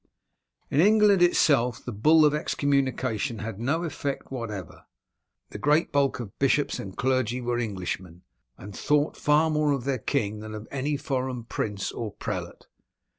In England itself the Bull of excommunication had no effect whatever. The great bulk of bishops and clergy were Englishmen, and thought far more of their king than of any foreign prince or prelate.